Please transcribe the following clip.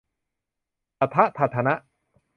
ตะถะทะธะนะ